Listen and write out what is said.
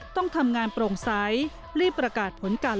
ต้องทำงานโปร่งใสรีบประกาศผลการเลือกตั้ง